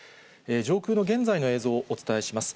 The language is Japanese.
上空の現在の映像をお伝えします。